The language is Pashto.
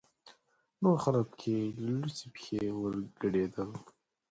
نور خلک پکې لوڅې پښې ورګډېدل.